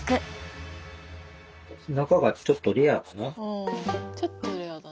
うんちょっとレアだね。